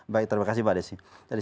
baik terima kasih mbak desi